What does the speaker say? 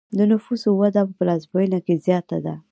د نفوسو وده په پلازمینه کې زیاته ده.